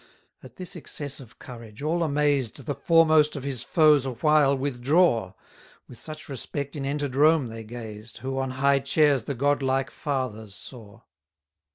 63 At this excess of courage, all amazed, The foremost of his foes awhile withdraw: With such respect in enter'd Rome they gazed, Who on high chairs the god like fathers saw.